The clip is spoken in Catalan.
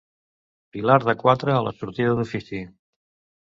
Pilar de quatre a la sortida d’Ofici.